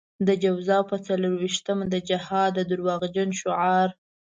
د جوزا په څلور وېشتمه د جهاد د دروغجن شعار.